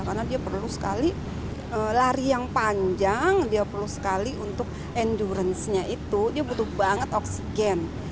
karena dia perlu sekali lari yang panjang dia perlu sekali untuk endurance nya itu dia butuh banget oksigen